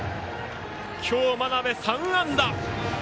今日、真鍋、３安打！